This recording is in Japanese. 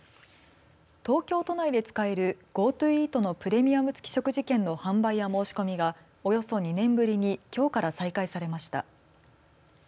東京都内で使えるＧｏＴｏイートのプレミアム付き食事券の販売や申し込みがおよそ２年ぶりにきょうから再開されました。